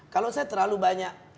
kalau saya terlalu banyak